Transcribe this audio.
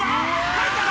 入ったか？